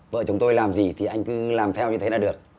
vợ chồng tôi làm gì thì anh cứ làm theo như thế là được